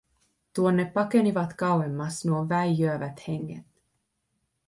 Tuonne pakenivat kauemmas nuo väijyävät henget.